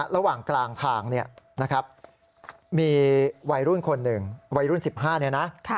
ระหว่างกลางทางเนี่ยนะครับมีวัยรุ่นคนหนึ่งวัยรุ่น๑๕เนี่ยนะ